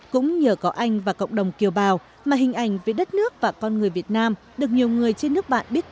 cũng nhờ có anh và cộng đồng kiều bào mà hình ảnh về đất nước và con người việt nam được nhiều người trên nước bạn biết